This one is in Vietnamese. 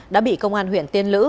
đã bị công an huyện tiên lữ